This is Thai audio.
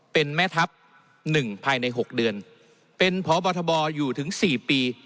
เป็นแม่ทัพ๑ภายใน๖เดือนเป็นพบทบอยู่ถึง๔ปี